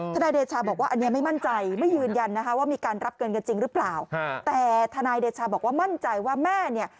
ทานายเดชาบอกว่า